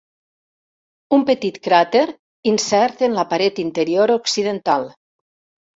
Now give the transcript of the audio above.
Un petit cràter insert en la paret interior occidental.